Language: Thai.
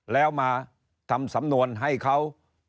แล้วมาทำสำนวนให้เขา